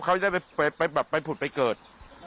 เขาจะไปผุดไปเกิด